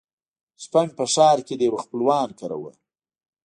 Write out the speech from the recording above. شپه مې په ښار کښې د يوه خپلوان کره وه.